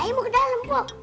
ayah mau ke dalam po